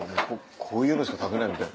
こういうのしか食べないみたいな。